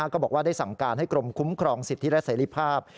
ก็บอกว่าได้สั่งการให้กรมคุ้มครองสิทธิและเสรีภาพ